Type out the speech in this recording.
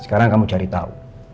sekarang kamu cari tahu